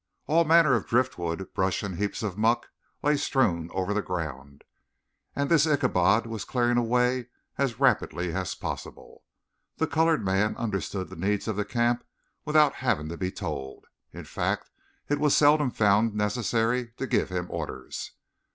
All manner of driftwood, brush and heaps of muck lay strewn over the ground, and this Ichabod was clearing away as rapidly as possible. The colored man understood the needs of the camp without having to be told. In fact, it was seldom found necessary to give him orders.